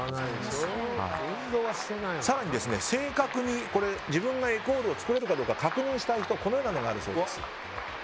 更に、正確に自分がエクオールを作れるかどうか確認したい人はこのようなものがあるそうです。